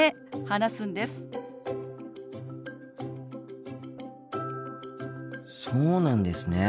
そうなんですね。